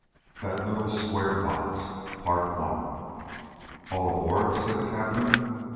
THAT LITTLE SQUARE BOX. "All aboard?" said the captain.